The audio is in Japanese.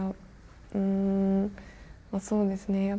うんそうですね